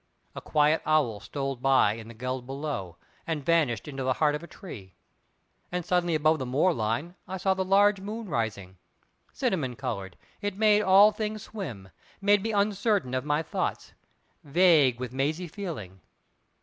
A quiet owl stole by in the geld below, and vanished into the heart of a tree. And suddenly above the moor line I saw the large moon rising. Cinnamon coloured, it made all things swim, made me uncertain of my thoughts, vague with mazy feeling.